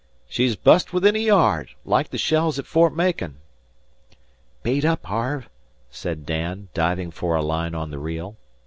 "She's bust within a yard like the shells at Fort Macon." "Bait up, Harve," said Dan, diving for a line on the reel.